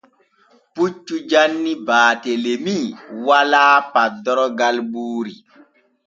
Puccu janni Baatelemi walaa paddorgal buuri.